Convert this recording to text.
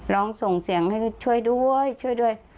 ส่งเสียงให้ช่วยด้วยช่วยด้วย